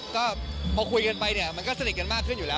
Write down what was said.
ก็พอคุยกันไปเนี่ยมันก็สนิทกันมากขึ้นอยู่แล้ว